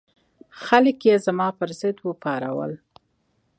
خلک زما پر ضد وپارول.